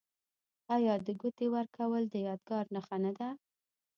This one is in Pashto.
آیا د ګوتې ورکول د یادګار نښه نه ده؟